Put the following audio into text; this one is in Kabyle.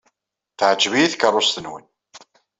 Teɛjeb-iyi tkeṛṛust-nwen.